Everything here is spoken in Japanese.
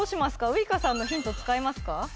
ウイカさんのヒント使いますか？